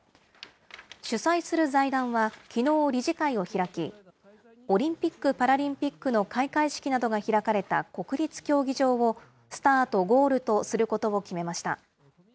主催する財団は、きのう理事会を開き、オリンピック・パラリンピックの開会式などが開かれた国立競技場をスタート、ゴールとすることを決めました。